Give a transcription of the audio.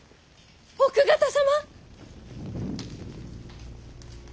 奥方様。